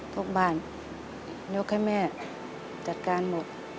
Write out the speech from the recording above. ทุกบ้านยกให้แม่จัดการหมด